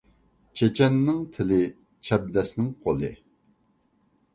چېچەننىڭ تىلى ، چەبدەسنىڭ قولى